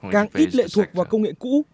càng ít lệ thuộc vào công nghệ cũ